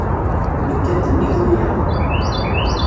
Nekka-d nnig wiyaḍ.